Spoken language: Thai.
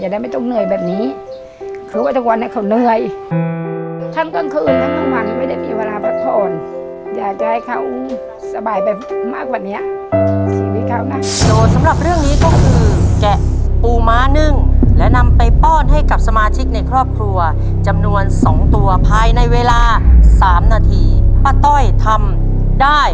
เดี๋ยวเราไปดูเงินแสนและเงินล้านในข้อต่อไปนะ